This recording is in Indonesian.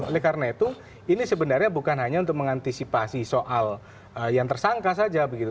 oleh karena itu ini sebenarnya bukan hanya untuk mengantisipasi soal yang tersangka saja begitu